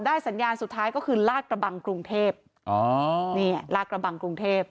สัญญาณสุดท้ายก็คือลาดกระบังกรุงเทพอ๋อนี่ลากระบังกรุงเทพ